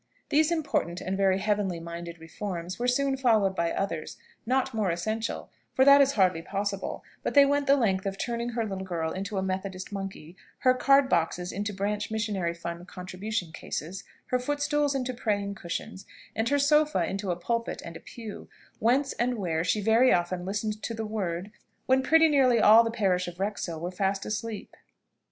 These important and very heavenly minded reforms were soon followed by others, not more essential, for that is hardly possible; but they went the length of turning her little girl into a methodist monkey; her card boxes, into branch missionary fund contribution cases; her footstools into praying cushions; and her sofa into a pulpit and a pew, whence and where she very often listened to "the word" when pretty nearly all the parish of Wrexhill were fast asleep.